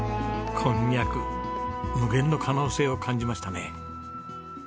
こんにゃく無限の可能性を感じましたね。